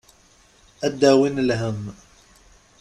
Ad d-awin lhemm.